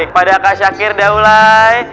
kepada kak syakir daulay